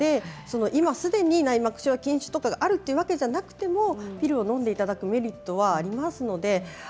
今すでに内膜症や筋腫があるという方ではなくてもピルをのんでいただくメリットはあります。